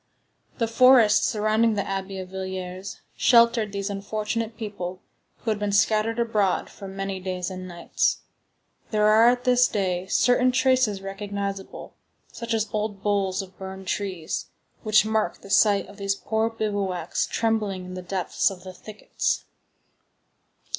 The forest surrounding the Abbey of Villiers sheltered these unfortunate people who had been scattered abroad, for many days and nights. There are at this day certain traces recognizable, such as old boles of burned trees, which mark the site of these poor bivouacs trembling in the depths of the thickets.